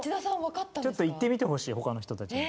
ちょっといってみてほしい他の人たちに。